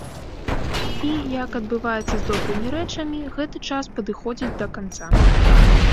І як адбываецца з добрымі рэчамі, гэты час падыходзіць да канца.